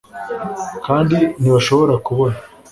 kandi ntibashobora kubona